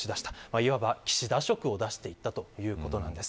いわば岸田色を出していったということです。